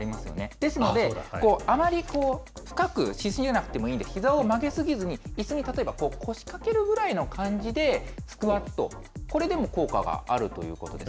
ですので、あまり深くし過ぎなくてもいいので、ひざを曲げ過ぎずに、いすに例えば腰かけるぐらいの感じでスクワット、これでも効果があるということです。